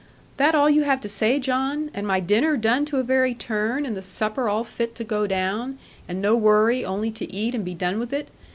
'That all you have to say, John! And my dinner done to a very turn, and the supper all fit to go down, and no worry, only to eat and be done with it!